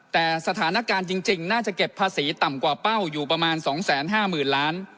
แต่สถานการณ์จริงน่าจะเก็บภาษีต่ำกว่าเป้าอยู่ประมาณ๒๕๐๐๐ล้าน